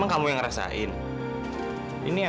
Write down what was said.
menjawab cerita dari suatu hak yang kita tahu ya